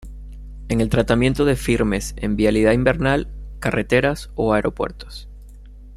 En el tratamiento de firmes en vialidad invernal; carreteras o aeropuertos.